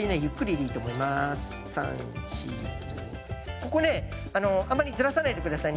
ここねあのあんまりずらさないで下さいね。